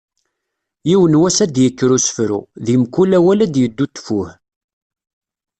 Yiwen wass ad d-yekker usefru, di mkul awal ad d-yeddu ttfuh”.